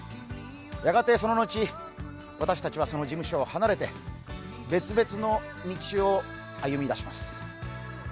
やがてその後、私たちはその事務所を離れて、別々の道を歩み出します。